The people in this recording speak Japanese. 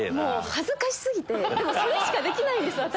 恥ずかし過ぎてでもそれしかできないんです私。